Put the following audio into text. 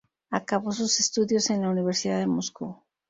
Acabó sus estudios en la Universidad de Moscú.